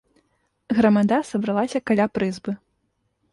Грамада сабралася каля прызбы.